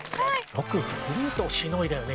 よくフルートをしのいだよね